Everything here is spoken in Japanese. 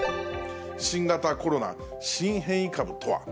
新型コロナ、新変異株とは？